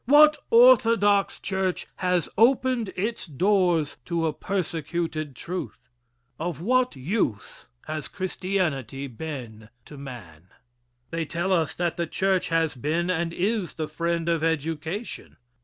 What orthodox church has opened its doors to a persecuted truth? Of what use has Christianity been to man? They tell us that the church has been and is the friend of education.